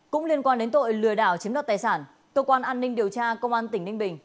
cũng liên quan đến tội lừa đảo chiếm đoạt tài sản cơ quan an ninh điều tra công an tỉnh ninh bình